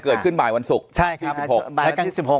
เกิดขึ้นบ่ายวันศุกร์ใช่ครับที่สิบหกบ่ายวันที่สิบหก